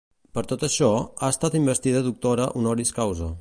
Per tot això, ha estat investida Doctora Honoris Causa.